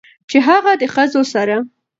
چې هغه د ښځو سره